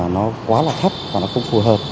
nó quá là thấp và nó không phù hợp